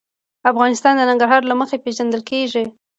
افغانستان د ننګرهار له مخې پېژندل کېږي.